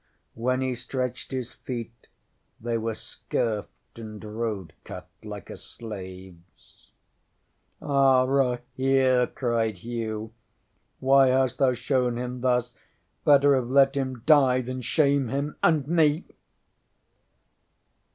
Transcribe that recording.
When he stretched his feet, they were scurfed and road cut like a slaveŌĆÖs. ŌĆśŌĆ£Ah, Rahere, ŌĆØ cried Hugh, ŌĆ£why hast thou shown him thus? Better have let him die than shame him and me!